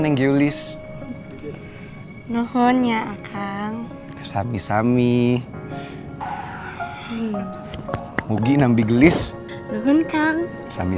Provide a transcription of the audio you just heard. ih teh gak usah atu malu malu kita kan teh udah jadi suami istri